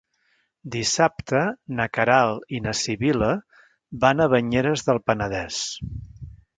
Dissabte na Queralt i na Sibil·la van a Banyeres del Penedès.